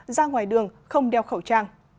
ra ngoài đường không đeo khẩu trang